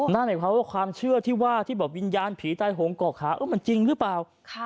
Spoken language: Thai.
นั่นแหละความเชื่อที่ว่าวิญญาณผีใดห่วงเกาะขามันจริงหรือเปล่า